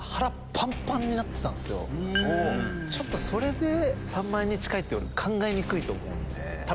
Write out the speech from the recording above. ちょっとそれで３万円に近いって考えにくいと思うんで。